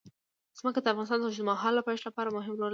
ځمکه د افغانستان د اوږدمهاله پایښت لپاره مهم رول لري.